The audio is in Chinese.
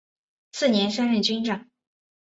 次年升任军长。